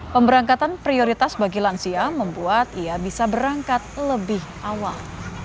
pemberangkatan prioritas bagi lansia membuat ia bisa berangkat lebih awal